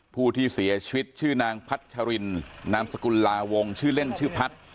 ผู้ที่เสียชีวิตชื่อนางพัชรินนามสกุลลาวงชื่อเล่นชื่อพัฒน์